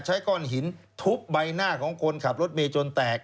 ใช้ก้อนหินทุบใบหน้าของคนขับรถเมย์จนแตก